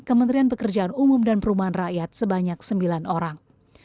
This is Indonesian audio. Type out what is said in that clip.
kementerian pekerjaan umum dan perumahan rakyat sebanyak sembilan orang